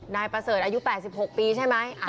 นายประเสริฐอายุ๘๖ปีใช่ไหม